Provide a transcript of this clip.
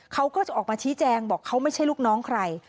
เขาก็จะออกมาชี้แจงบอกเขาไม่ใช่ลูกน้องใคร